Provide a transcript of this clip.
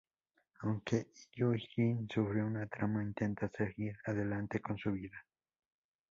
Aunque Hyun-jin sufrió un trauma, intenta seguir adelante con su vida.